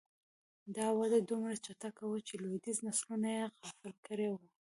دا وده دومره چټکه وه چې لوېدیځ نسلونه یې غافل کړي وو